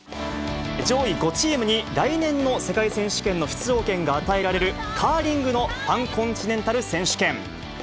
上位５チームに来年の世界選手権の出場権が与えられる、カーリングのパンコンチネンタル選手権。